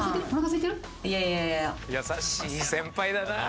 優しい先輩だなあ。